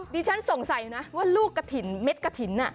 ฉันสงสัยนะว่าลูกกระถิ่นเม็ดกระถิ่น